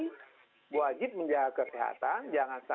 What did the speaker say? wajib menjaga kesehatan